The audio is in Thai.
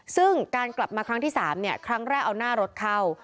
ซึ่งการกลับมาครั้งที่๓ครั้งแรกเอาหน้ารถเข้า